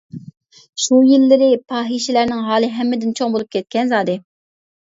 شۇ يىللىرى پاھىشىلەرنىڭ ھالى ھەممىدىن چوڭ بولۇپ كەتكەن زادى.